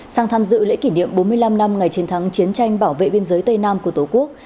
sang tham dự lễ kỷ niệm bốn mươi năm năm ngày chiến thắng chiến tranh bảo vệ biên giới tây nam của tổ quốc